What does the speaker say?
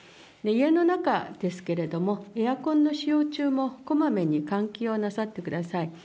家の中ですけれども、エアコンの使用中もこまめに換気をなさってください。